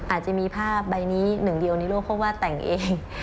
อาจจะมีภาพใบนี้หนึ่งเดียวในโลกเพราะว่าแต่งเอง